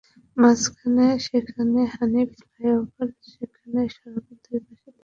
মাঝখানে যেখানে হানিফ ফ্লাইওভার, সেখানে সড়কের দুই পাশে পানি জমে আছে।